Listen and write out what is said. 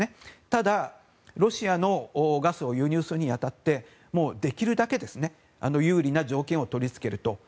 ただ、ロシアのガスを輸入するに当たってできるだけ有利な条件を取り付けると。